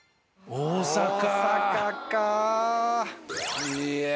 大阪か。